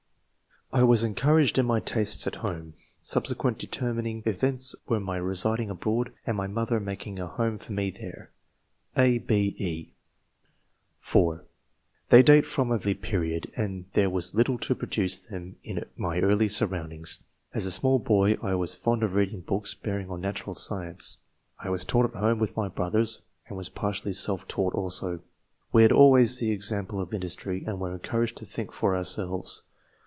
I was encouraf^cd in my tastes at home. Sub III.] ORIGIN OF TASTE FOR 8CIBN0E. 159 sequent determining events were my residing abroad, and my mother making a home for me there." {a, b, e) (4) " They date from a very early period, and there was little to produce them in my early surroundings. As a small boy I was fond of reading books bearing on natural science. I was taught at home with my brothers, and was partially self taught also. We had always the example of industry, and were encouraged to think for ourselves.